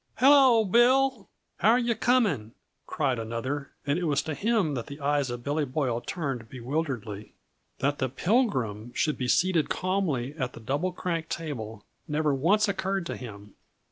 "Hello, Bill! How're yuh coming?" cried another, and it was to him that the eyes of Billy Boyle turned bewilderedly. That the Pilgrim should be seated calmly at the Double Crank table never once occurred to him.